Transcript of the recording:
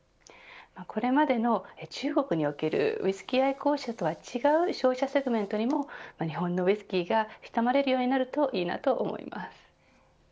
これまでの中国におけるウイスキー愛好者とは違う消費者セグメントにも日本のウイスキーが親しまれるようになるといいなと思います。